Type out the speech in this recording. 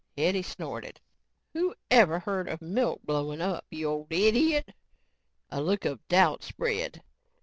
Hetty snorted. "Whoever heard of milk blowing up, you old idiot?" A look of doubt spread.